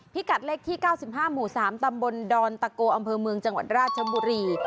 กัดเลขที่๙๕หมู่๓ตำบลดอนตะโกอำเภอเมืองจังหวัดราชบุรี